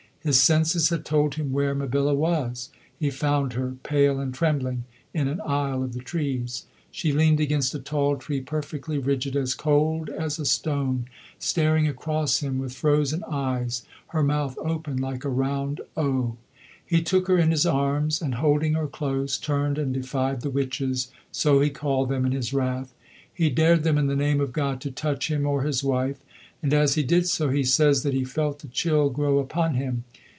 His senses had told him where Mabilla was. He found her pale and trembling in an aisle of the trees. She leaned against a tall tree, perfectly rigid, "as cold as a stone," staring across him with frozen eyes, her mouth open like a round O. He took her in his arms and holding her close turned and defied the "witches" so he called them in his wrath. He dared them in the name of God to touch him or his wife, and as he did so he says that he felt the chill grow upon him.